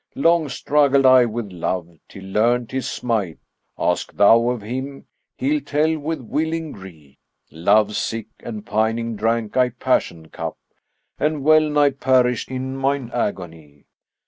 Long struggled I with Love, till learnt his might; * Ask thou of him, he'll tell with willing gree. Love sick and pining drank I passion cup, * And well nigh perished in mine agony.